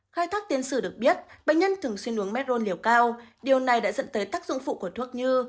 khai thác tiến sử được biết bệnh nhân thường xuyên uống mertron liều cao điều này đã dẫn tới tác dụng phụ của thuốc như